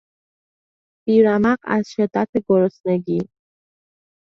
بیرمق از شدت گرسنگی